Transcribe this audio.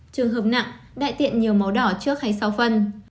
trường hợp nặng đại tiện nhiều màu đỏ trước hay sau phân